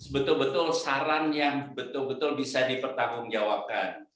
betul betul saran yang betul betul bisa dipertanggungjawabkan